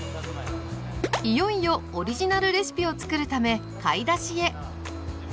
いよいよオリジナルレシピをつくるため買い出しへ。